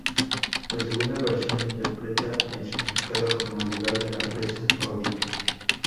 La segunda versión interpreta el significado como "lugar de la presa o dique".